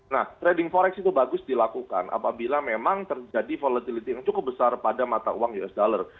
nah trading forex itu bagus dilakukan apabila memang terjadi volatility yang cukup besar pada mata uang us dollar